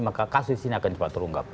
maka kasus ini akan cepat terungkap